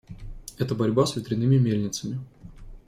Это борьба с ветряными мельницами.